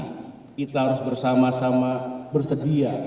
kita harus bersama sama bersedia